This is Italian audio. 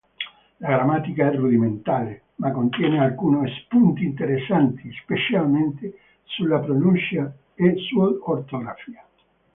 La grammatica è rudimentale, ma contiene alcuni spunti interessanti, specialmente sulla pronuncia e sull'ortografia.